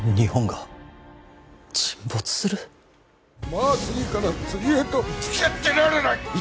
まあ次から次へとつきあってられない！